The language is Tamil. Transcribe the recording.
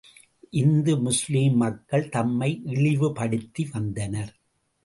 இந்து முஸ்லிம் மக்கள் தம்மை இழிவு படுத்தி வந்தனர்.